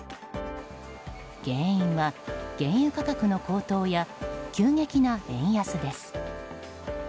原因は原油価格の高騰や急激な円安です。